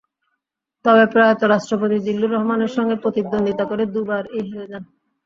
তবে প্রয়াত রাষ্ট্রপতি জিল্লুর রহমানের সঙ্গে প্রতিদ্বন্দ্বিতা করে দুবারই হেরে যান।